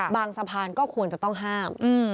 สะพานก็ควรจะต้องห้าม